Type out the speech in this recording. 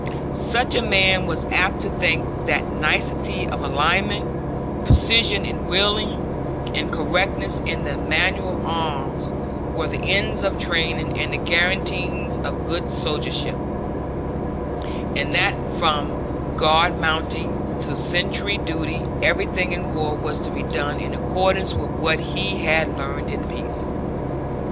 Such a man was apt to think that nicety of alignment, precision in wheeling, and correctness in the manual of arms were the ends of training and the guarantees of good soldiership, and that from guard mounting to sentry duty everything in war was to be done in accordance with what he had learned in peace.